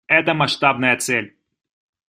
Это масштабная цель.